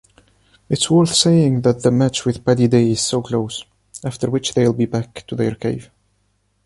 It’s worth saying that the match with Padideh is so close, after which they’ll be back to their cave.